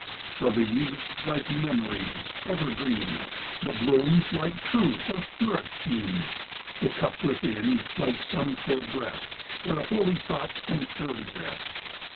The leaves, like memories, evergreen, The blooms, like truth, of purest sheen; The cup within, like some fair breast Where holy thoughts can surely rest.